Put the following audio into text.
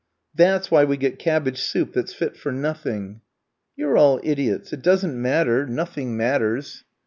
"That's why we get cabbage soup that's fit for nothing." "You're all idiots! It doesn't matter; nothing matters."